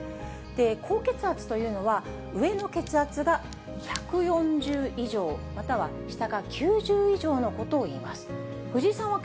高血圧というのは、上の血圧が１４０以上、または下が９０以上のことをいいます。